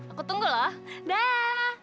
aku tunggu loh daaah